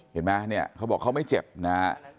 เห็นไหมเนี่ยเขาบอกเขาไม่เจ็บนะฮะ